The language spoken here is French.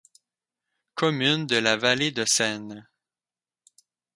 Commune de la vallée de Seine.